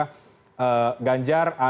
ganjar anies dan juga pak puan maharani